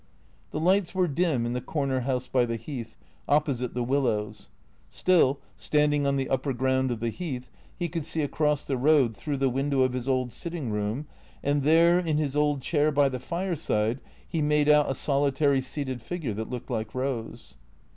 The lights were dim in the corner house by the Heath, oppo site the willows. Still, standing on the upper ground of the Heath, he could see across the road through the window of his old sitting room, and there, in his old chair by the fireside he made out a solitary seated figure that looked like Eose.